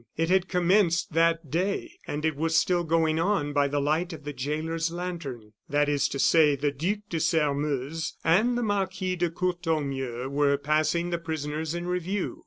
It had commenced that day, and it was still going on by the light of the jailer's lantern. That is to say, the Duc de Sairmeuse and the Marquis de Courtornieu were passing the prisoners in review.